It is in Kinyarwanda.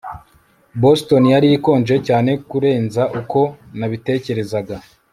Boston yari ikonje cyane kurenza uko nabitekerezaga